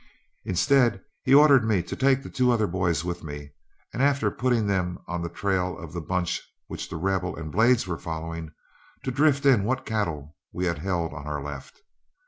Instead, he ordered me to take the two other boys with me, and after putting them on the trail of the bunch which The Rebel and Blades were following, to drift in what cattle we had held on our left.